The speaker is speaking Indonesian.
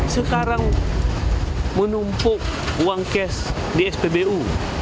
sekarang menumpuk uang cash di spbu